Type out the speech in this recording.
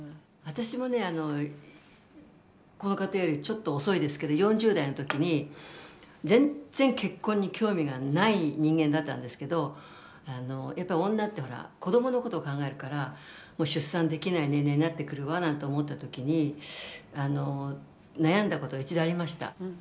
私もねあのこの方よりちょっと遅いですけど４０代の時に全然結婚に興味がない人間だったんですけどやっぱり女ってほら子どものことを考えるからもう出産できない年齢になってくるわなんて思った時にあの悩んだことが一度ありました。